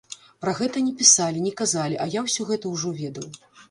Пра гэта не пісалі, не казалі, а я ўсё гэта ўжо ведаў.